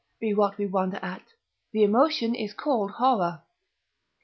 be what we wonder at, the emotion is called Horror.